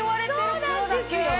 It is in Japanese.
そうなんですよ！